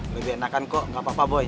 lebih enakan kok gapapa boy